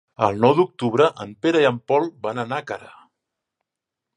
El nou d'octubre en Pere i en Pol van a Nàquera.